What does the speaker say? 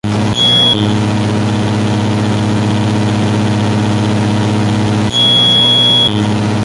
Mantuvo una perspectiva sindical surgida de los electricistas de esos años.